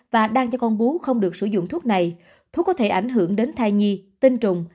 và đang cho con bú không được sử dụng thuốc này thuốc có thể ảnh hưởng đến thai nhi tinh trùng